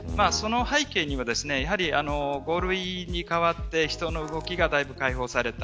その背景には５類に変わって人の動きが解放された。